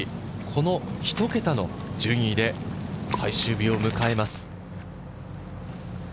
この１桁の順位で最終日を迎えます。